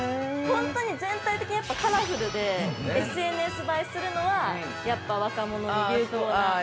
◆本当に、全体的にやっぱカラフルでＳＮＳ映えするのは、やっぱ若者◆ああ、ＳＮＳ映え？